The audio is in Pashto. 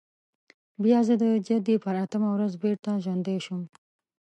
بیا زه د جدي پر اتمه ورځ بېرته ژوندی شوم.